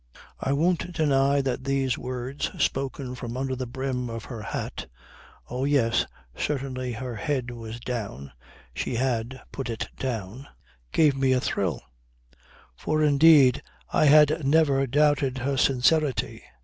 I won't deny that these words spoken from under the brim of her hat (oh yes, certainly, her head was down she had put it down) gave me a thrill; for indeed I had never doubted her sincerity.